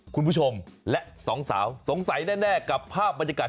คุณผู้ชมและสองสาวสงสัยแน่กับภาพบรรยากาศ